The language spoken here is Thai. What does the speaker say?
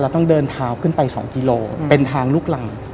ต้องเดินเท้าขึ้นไป๒กิโลเป็นทางลูกรัง